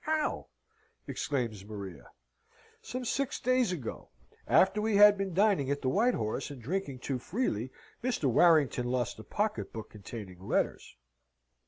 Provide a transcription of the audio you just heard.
How?" exclaims Maria. "Some six days ago, after we had been dining at the White Horse, and drinking too freely, Mr. Warrington lost a pocket book containing letters."